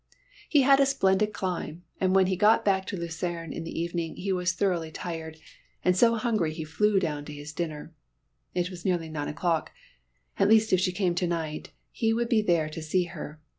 He had a splendid climb, and when he got back to Lucerne in the evening he was thoroughly tired, and so hungry he flew down to his dinner. It was nearly nine o'clock; at least if she came to night he would be there to see her.